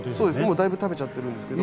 もうだいぶ食べちゃってるんですけど。